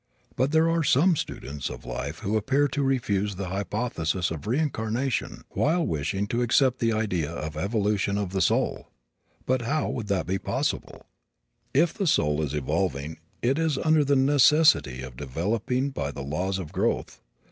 But there are some students of life who appear to refuse the hypothesis of reincarnation while wishing to accept the idea of the evolution of the soul. But how would that be possible? If the soul is evolving it is under the necessity of developing by the laws of growth.